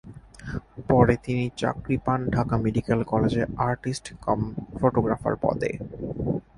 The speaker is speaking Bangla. পরে তিনি চাকরি পান ঢাকা মেডিকেল কলেজে আর্টিস্ট কাম ফটোগ্রাফার পদে।